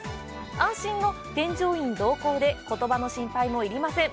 安心の添乗員同行で、言葉の心配もいりません。